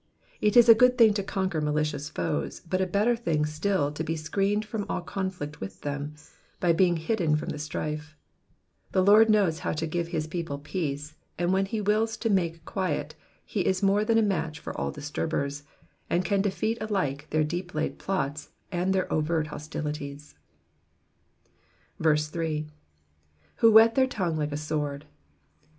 It is a good thing to conquer malicious foes, but a better thing still to be screened from all conflict with them, by being hidden from the strife. The Lord knows how to give his people peace, and when he wills to make quiet, he is more than a match for Digitized by VjOOQIC PSALM THB SIXTY FOUBTH. 153 all disturbers, and can defeat alike their deep laid plots and their oyert hostilities. 8. ^^Who vihet their tongue like a noard.'